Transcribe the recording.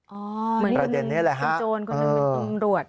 อ๋อเหมือนเป็นคนโจรคนอื่นเป็นคนอำรวจ